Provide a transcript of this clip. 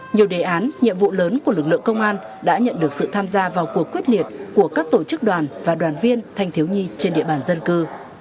nhiều đề án nhiệm vụ lớn của lực lượng công an đã nhận được sự tham gia vào cuộc quyết liệt của các tổ chức đoàn và đoàn viên thanh thiếu nhi trên địa bàn dân cư